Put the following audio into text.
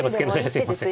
すいません。